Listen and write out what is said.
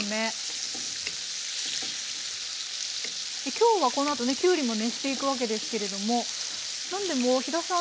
今日はこのあとねきゅうりも熱していくわけですけれども何でも飛田さんの旦那さんは